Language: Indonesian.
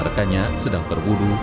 rekannya sedang berburu